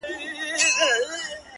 • چي پاڼه وشړېدل؛